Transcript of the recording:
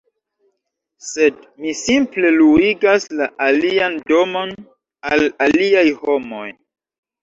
sed mi simple luigas la alian domon al aliaj homoj